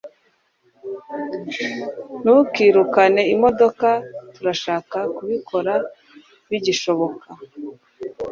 ntukirukane imodoka turashaka kubikora bigishoboka